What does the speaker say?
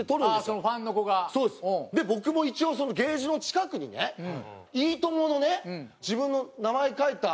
僕も一応そのケージの近くにね『いいとも！』のね自分の名前書いた。